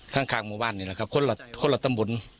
ข้างหมู่บ้านนี่แหละครับคนละตำบล